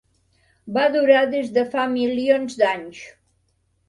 Va durar des de fa milions d'anys.